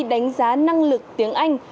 đánh giá năng lực tiếng anh